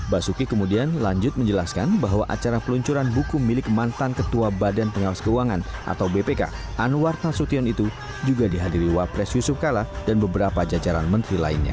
basuki kemudian lanjut menjelaskan bahwa acara peluncuran buku milik mantan ketua badan pengawas keuangan atau bpk anwar nasution itu juga dihadiri wapres yusuf kala dan beberapa jajaran menteri lainnya